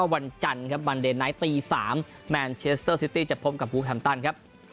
วันจันทร์ครับบันเดนไนท์ตี๓แมนเชสเตอร์ซิตี้จะพบกับบูแฮมตันครับ